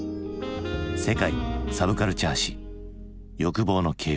「世界サブカルチャー史欲望の系譜」。